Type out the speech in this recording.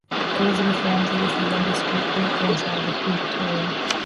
Elizabeth Ramsay is the youngest great-great-grandchild of Queen Victoria.